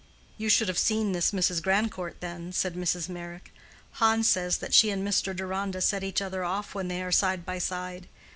"You should have seen this Mrs. Grandcourt then," said Mrs. Meyrick. "Hans says that she and Mr. Deronda set each other off when they are side by side.